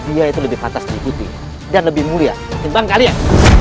dia itu lebih pantas diikuti dan lebih mulia ketimbang kalian